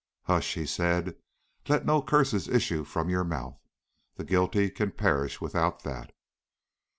"Hush!" he said, "let no curses issue from your mouth. The guilty can perish without that."